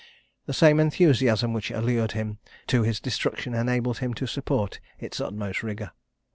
The same enthusiasm which allured him to his destruction enabled him to support its utmost rigour.